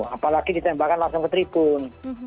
apalagi ditembakkan langsung ke tribun